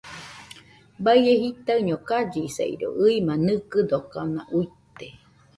Baie jitaiño kallisairo, ɨima nɨkɨdokanauite